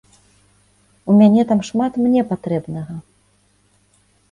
У мяне там шмат мне патрэбнага.